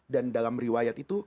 dan dalam riwayat itu